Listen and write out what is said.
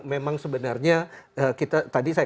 memang sebenarnya tadi saya